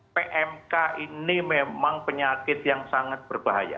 pmk ini memang penyakit yang sangat berbahaya